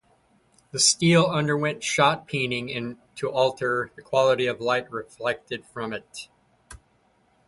The steel underwent shot peening to alter the quality of light reflected from it.